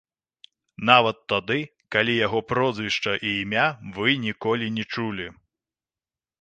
Нават тады, калі яго прозвішча і імя вы ніколі не чулі.